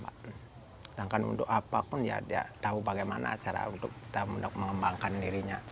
sedangkan untuk apapun ya dia tahu bagaimana cara untuk kita mengembangkan dirinya